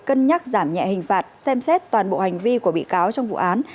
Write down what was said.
cân nhắc giảm nhẹ hình phạt xem xét toàn bộ hành vi của bị cáo trong vụ án